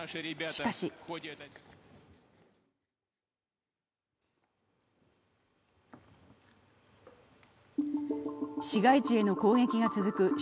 しかし市街地への攻撃が続く